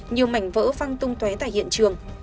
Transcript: nhiều mảnh vỡ văng tung tué tại hiện trường